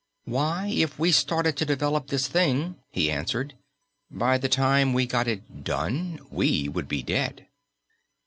"Why, if we started to develop this thing," he answered, "by the time we got it done, we would be dead."